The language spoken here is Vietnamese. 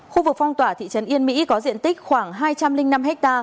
khu vực phong tỏa thị trấn yên mỹ có diện tích khoảng hai trăm linh năm ha